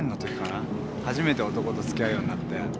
初めて男とつきあうようになって。